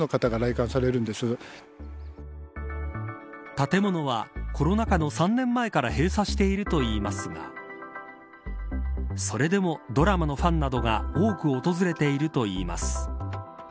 建物はコロナ禍の３年前から閉鎖しているといいますがそれでも、ドラマのファンなどが多く訪れているといいます